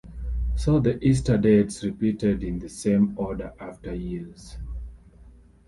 So the Easter dates repeated in the same order after years.